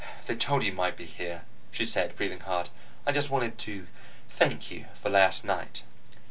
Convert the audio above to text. "They told me you might be here," she said, breathing hard. "I just wanted to thank you for last night."